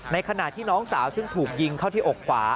ขณะที่น้องสาวซึ่งถูกยิงเข้าที่อกขวา